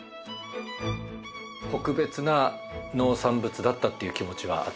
特別な農産物だったっていう気持ちはあったと思います。